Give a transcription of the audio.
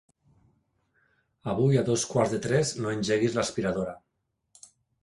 Avui a dos quarts de tres no engeguis l'aspiradora.